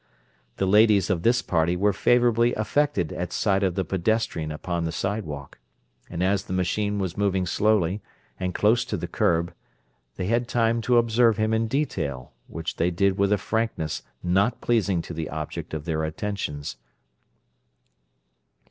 The ladies of this party were favourably affected at sight of the pedestrian upon the sidewalk, and, as the machine was moving slowly, and close to the curb, they had time to observe him in detail, which they did with a frankness not pleasing to the object of their attentions.